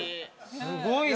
すごいな。